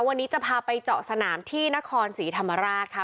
วันนี้จะพาไปเจาะสนามที่นครศรีธรรมราชค่ะ